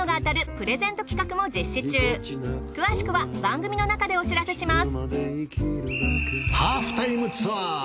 詳しくは番組のなかでお知らせします。